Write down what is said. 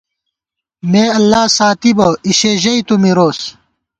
مے اللہ ساتِبہ، اِشے ژَئی تُو مِروس